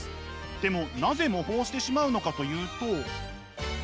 でもなぜ模倣してしまうのかというと。